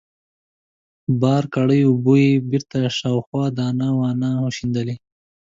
بار کړې اوبه يې بېرته شاوخوا دانه وانه وشيندلې.